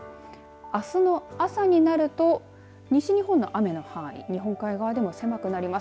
あすの朝になると西日本の雨の範囲日本海側でも狭くなります。